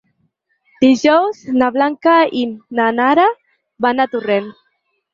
Dijous na Blanca i na Nara van a Torrent.